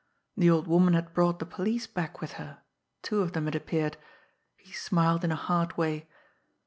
The old woman had brought the police back with her two of them, it appeared. He smiled in a hard way.